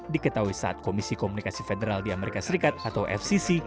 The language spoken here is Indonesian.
diketahui saat komisi komunikasi federal di amerika serikat atau fcc